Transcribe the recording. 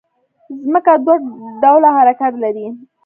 ځمکه دوه ډوله حرکت لري